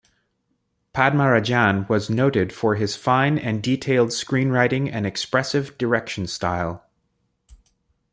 Padmarajan was noted for his fine and detailed screenwriting and expressive direction style.